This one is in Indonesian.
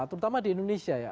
terutama di indonesia ya